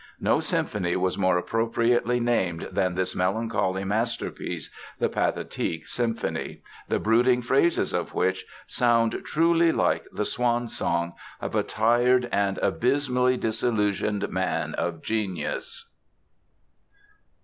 No symphony was more appropriately named than this melancholy masterpiece, the Pathetic symphony, the brooding phrases of which sound truly like the "swan song" of a tired and abysmally disillusioned man of genius.